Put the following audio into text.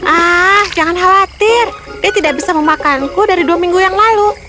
ah jangan khawatir dia tidak bisa memakanku dari dua minggu yang lalu